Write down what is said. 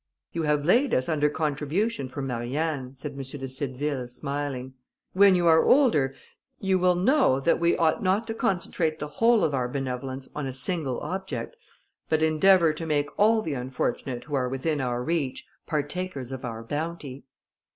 "You have laid us under contribution for Marianne," said M. de Cideville, smiling. "When you are older, you will know that we ought not to concentrate the whole of our benevolence on a single object, but endeavour to make all the unfortunate who are within our reach, partakers of our bounty."